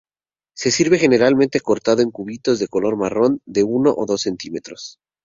Se sirve generalmente cortado en cubitos de color marrón de uno o dos centímetros.